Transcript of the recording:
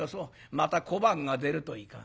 また小判が出るといかん」。